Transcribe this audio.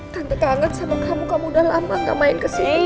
kante kangen sama kamu kamu udah lama gak main kesini